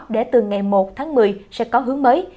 để từ ngày một tháng một mươi sẽ có hướng mới